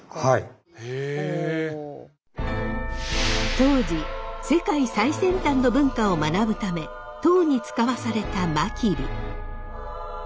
当時世界最先端の文化を学ぶため唐に遣わされた真備。